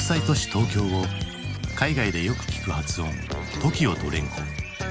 東京を海外でよく聞く発音「ＴＯＫＩＯ」と連呼。